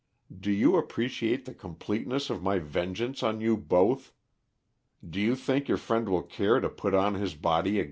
Do you appreciate the completeness of my vengeance on you both? Do you think your friend will care to put on his body again?"